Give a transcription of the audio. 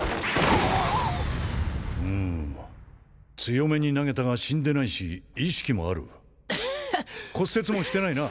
フンうん強めに投げたが死んでないし意識もある骨折もしてないな